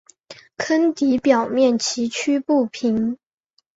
坑底表面崎岖不平。